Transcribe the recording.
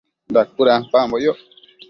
Dacuëdampambo icboc